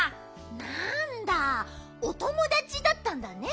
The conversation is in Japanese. なんだおともだちだったんだね。